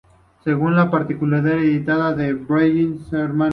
Según la partitura editada por Breyer Hnos.